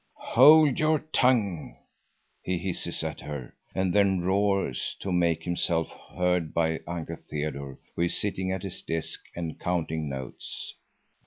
"Hold your tongue!" he hisses at her, and then roars to make himself heard by Uncle Theodore, who is sitting at his desk and counting notes.